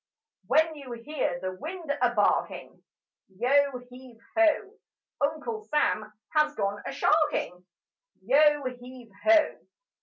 When you hear the wind a barking, Yo heave ho! Uncle Sam has gone a sharking: Yo heave ho!